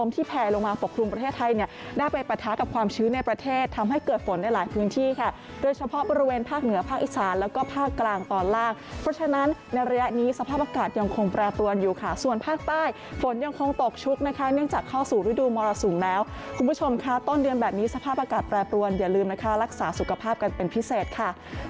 ตอนล่างเพราะฉะนั้นในระยะนี้สภาพอากาศยังคงแปลรวณอยู่ค่ะส่วนภาคใต้ฝนยังคงตกชุ้กนะคะเนื่องจากเข้าสู่วัดมรศูนย์แล้วคุณผู้ชมคะต้นเดือนแบบนี้สภาพอากาศแปลรวณอย่าลืมนะคะรักษาสุขภาพกันเป็นพิเศษค่ะ